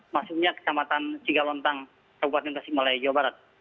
maksudnya kecamatan cigalontang kabupaten tasikmalaya jawa barat